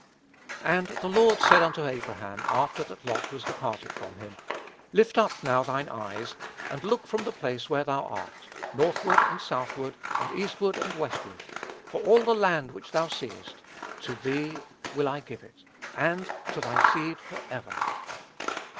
"And the Lord said unto Abram, after that Lot was separated from him, Lift up now thine eyes, and look from the place where thou art, northward, and southward, and eastward, and westward; for all the land which thou seest, to thee will I give it, and to thy seed forever."